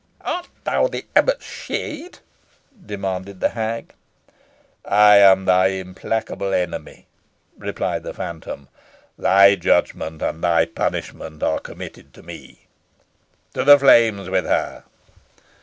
"Art thou the abbot's shade?" demanded the hag. "I am thy implacable enemy," replied the phantom. "Thy judgment and thy punishment are committed to me. To the flames with her!"